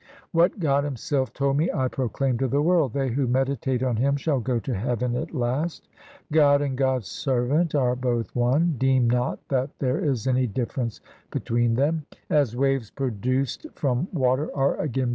What God Himself told me I proclaim to the world. They who meditate on Him shall go to heaven at last. God and God's servant are both one — deem not that there is any difference between them — As waves produced from water are again blended with it.